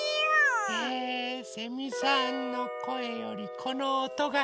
えセミさんのこえよりこのおとがすき。